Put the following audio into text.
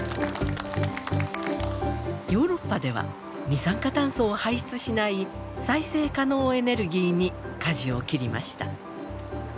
ヨーロッパでは二酸化炭素を排出しない再生可能エネルギーにかじを切りました。